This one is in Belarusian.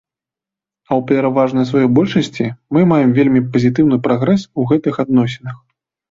А ў пераважнай сваёй большасці мы маем вельмі пазітыўны прагрэс у гэтых адносінах.